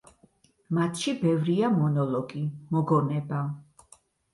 მათში ბევრია მონოლოგი, მოგონება.